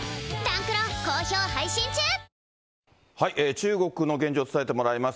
中国の現状を伝えてもらいます。